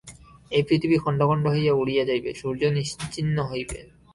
এই পৃথিবী খণ্ড খণ্ড হইয়া উড়িয়া যাইবে, সূর্য নিশ্চিহ্ন হইবে।